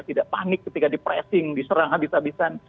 tidak panik ketika di pressing diserang habis habisan